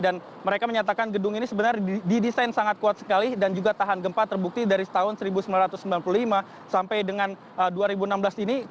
dan mereka menyatakan gedung ini sebenarnya didesain sangat kuat sekali dan juga tahan gempa terbukti dari tahun seribu sembilan ratus sembilan puluh lima sampai dengan dua ribu enam belas ini